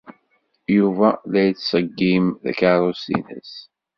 Yuba la yettṣeggim takeṛṛust-nnes.